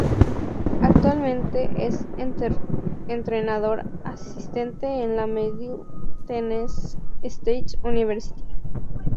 Actualmente es entrenador asistente en la Middle Tennessee State University.